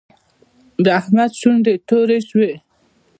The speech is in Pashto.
د احمد شونډې تورې شوې.